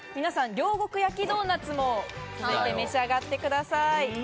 両国焼きドーナツも召し上がってください。